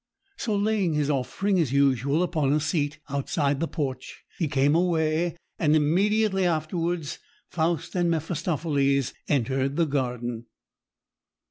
So laying his offering as usual upon a seat outside the porch, he came away; and immediately afterwards Faust and Mephistopheles entered the garden.